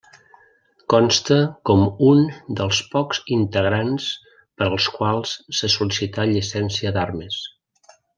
Consta com un dels pocs integrants per als quals se sol·licità llicència d'armes.